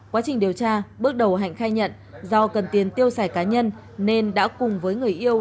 quá trình điều tra bước đầu hạnh khai nhận do cần tiền tiêu xài cá nhân nên đã cùng với người yêu